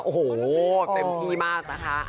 โอ้โหเต็มที่มากนะคะ